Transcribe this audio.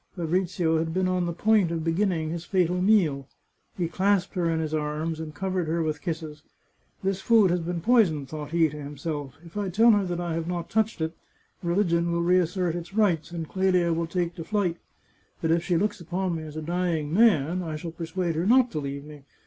Fabrizio had been on the point of beginning his fatal meal. He clasped her in his arms, and covered her with kisses. " This food has been poisoned," thought he to him self. " If I tell her I have not touched it, religion will re assert its rights, and Clelia will take to flight. But if she looks upon me as a dying man I shall persuade her not to leave me.